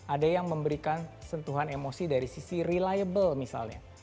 ada yang memberikan sentuhan emosi dari sisi reliable misalnya